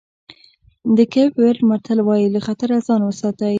د کېپ ورېډ متل وایي له خطره ځان وساتئ.